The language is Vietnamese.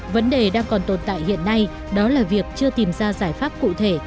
vấn đề đang còn tồn tại hiện nay đó là việc chưa tìm ra giải pháp cụ thể